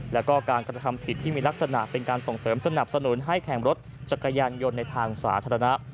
แล้วก็การกระทำผิดที่มีลักษณะเป็นการส่งเสริมสนับสนุนให้แข่งรถจักรยานยนต์ในทางสาธารณะ